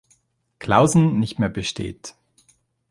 Clausen nicht mehr besteht.